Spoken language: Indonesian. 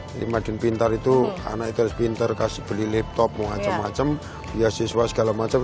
jadi madiun pintar itu anak itu harus pintar beli laptop macam macam biaya siswa segala macam